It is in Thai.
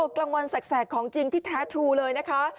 กลางวันแสกของจริงที่แท้ทรูเลยนะคะ